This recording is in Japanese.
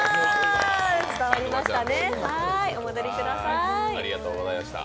伝わりましたね。